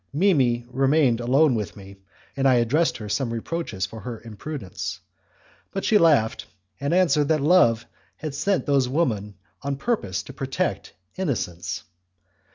Mimi remained alone with me, and I addressed her some reproaches for her imprudence. But she laughed, and answered that Love had sent those women on purpose to protect Innocence!